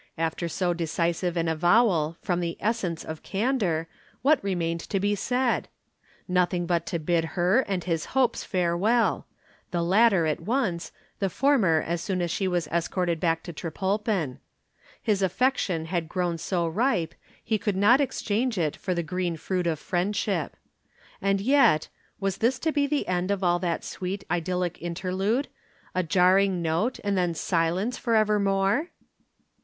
After so decisive an avowal from the essence of candor, what remained to be said? Nothing but to bid her and his hopes farewell the latter at once, the former as soon as she was escorted back to Trepolpen. His affection had grown so ripe, he could not exchange it for the green fruit of friendship. And yet, was this to be the end of all that sweet idyllic interlude, a jarring note and then silence for evermore?